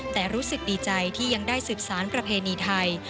แต่รู้สึกดีใจที่ยังได้สืบสารประเพณีไทย